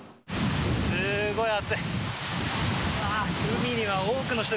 すごい暑い。